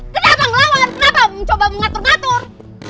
kenapa ngelawan kenapa mencoba mengatur ngatur